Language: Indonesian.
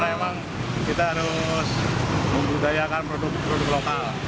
karena memang kita harus membudayakan produk produk lokal